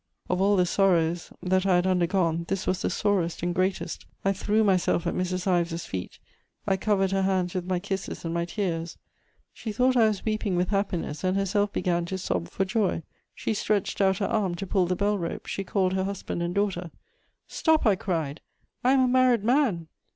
Of all the sorrows that I had undergone, this was the sorest and greatest. I threw myself at Mrs. Ives's feet; I covered her hands with my kisses and my tears. She thought I was weeping with happiness, and herself began to sob for joy. She stretched out her arm to pull the bell rope; she called her husband and daughter: "Stop!" I cried. "I am a married man!"